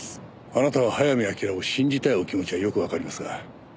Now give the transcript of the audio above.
あなたが早見明を信じたいお気持ちはよくわかりますが。